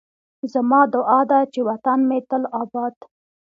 زما دعا ده چې وطن مې تل اباد